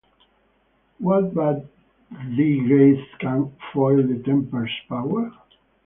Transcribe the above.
What but Thy grace can foil the tempter's power?